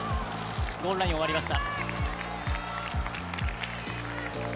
ゴールラインを割りました。